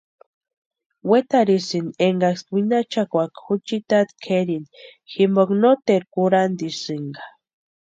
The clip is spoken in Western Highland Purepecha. Wetarhisïnti eskaksï winhachakwaaka juchiti tati kʼerini jimpo noteru kurhantisïnka.